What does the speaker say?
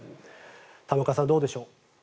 玉川さん、どうでしょう。